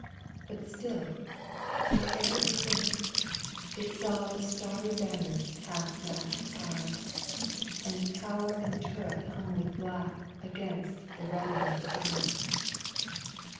But still, where'er it went, it saw The starry banners half mast high, And tower and turret hung with black Against the reddening sky